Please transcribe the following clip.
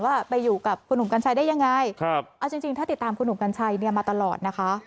ว่าไปอยู่กับคุณหนุ่มกัญชัยได้ยังไงเอาจริงถ้าติดตามคุณหนุ่มกัญชัยเนี่ยมาตลอดนะคะ